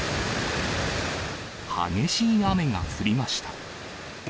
激しい雨が降りました。